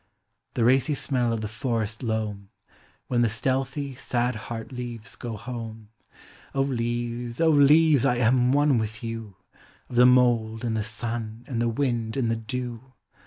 The racy smell of the forest loam, When the stealthy, sad heart leaves go home; (O leaves, O leaves, I am one with you, Of the mould and the suu, and the wind and the dew